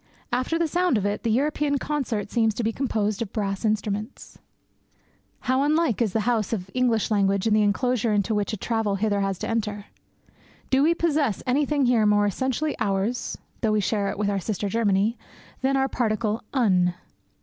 After the sound of it, the European concert seems to be composed of brass instruments. How unlike is the house of English language and the enclosure into which a traveller hither has to enter! Do we possess anything here more essentially ours (though we share it with our sister Germany) than our particle "un"?